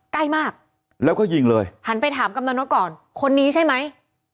ใกล้มากแล้วก็ยิงเลยหันไปถามกำลังนกก่อนคนนี้ใช่ไหม